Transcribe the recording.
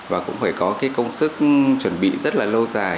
và cũng phải có cái công sức chuẩn bị rất là lâu dài